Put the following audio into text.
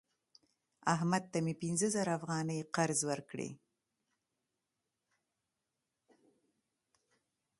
احمد ته مې پنځه زره افغانۍ قرض ورکړی